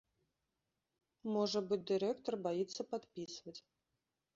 Можа быць, дырэктар баіцца падпісваць.